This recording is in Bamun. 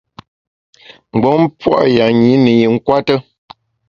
Mgbom pua’ yanyi ne yi nkwete.